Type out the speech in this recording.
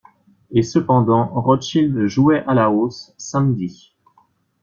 Et cependant Rothschild jouait à la hausse, samedi.